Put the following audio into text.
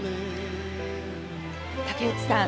竹内さん